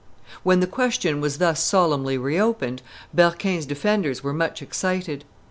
When the question was thus solemnly reopened, Berquin's defenders were much excited.